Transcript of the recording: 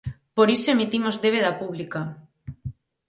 Por iso emitimos débeda pública.